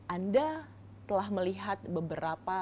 anda telah melihat beberapa